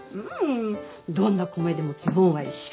どんな米でも基本は一緒。